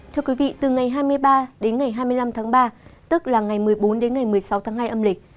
thưa quý vị từ ngày hai mươi ba đến ngày hai mươi năm tháng ba tức là ngày một mươi bốn đến ngày một mươi sáu tháng hai âm lịch